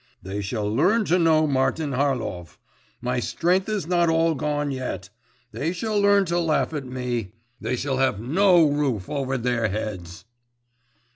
They shall learn to know Martin Harlov. My strength is not all gone yet; they shall learn to laugh at me!… They shall have no roof over their heads!